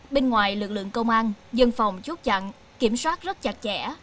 bên ngoài lực lượng công an dân phòng chốt chặn kiểm soát rất chặt chẽ